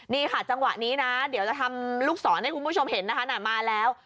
นี่ค่ะจังหวะนี้นะเดี๋ยวจะทำลูกศรให้คุณผู้ชมเห็นนะคะมาแล้ว